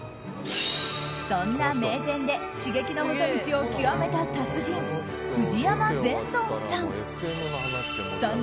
そんな名店で刺激の細道を極めた達人藤山振東さん。